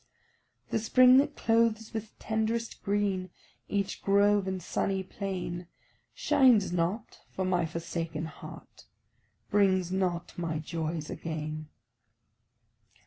The spring that clothes with tend'rest green Each grove and sunny plain, Shines not for my forsaken heart, Brings not my joys again.